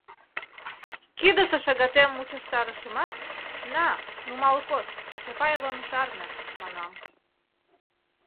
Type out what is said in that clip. Кидысе шагатем мучыштарышымат, «На, нумал кошт, Чапаевым шарне», — манам.